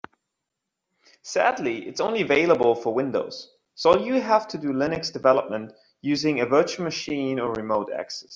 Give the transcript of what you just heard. Sadly, it's only available for Windows, so you'll have to do Linux development using a virtual machine or remote access.